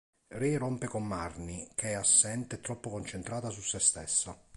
Ray rompe con Marnie, che è assente e troppo concentrata su sé stessa.